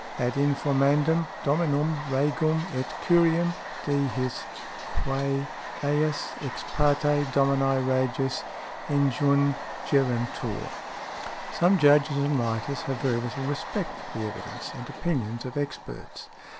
ad informandum Dominum regem et curiam de his quæ eis exparte Domini Regis injungerentur_ ." Some Judges and writers have very little respect for the evidence and opinions of experts.